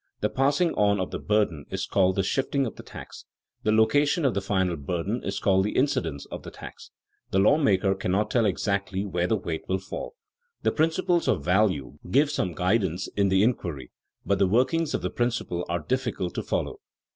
The passing on of the burden is called the shifting of the tax; the location of the final burden is called the incidence of the tax. The lawmaker cannot tell exactly where the weight will fall. The principles of value give some guidance in the inquiry, but the workings of the principle are difficult to follow.